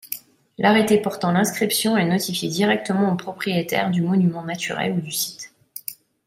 L’arrêté portant l'inscription est notifié directement aux propriétaires du monument naturel ou du site.